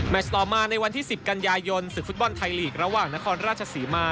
ต่อมาในวันที่๑๐กันยายนศึกฟุตบอลไทยลีกระหว่างนครราชศรีมา